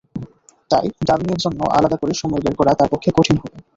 তাই ডাবিংয়ের জন্য আলাদা করে সময় বের করা তাঁর পক্ষে কঠিন হবে।